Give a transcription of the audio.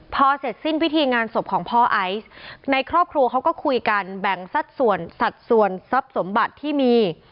พอเสร็จสิ้นพิธีงานศพของพ่อไอซ์ในครอบครัวเขาก็คุยกันแบ่งสัดส่วนสัดส่วนทรัพย์สมบัติที่มี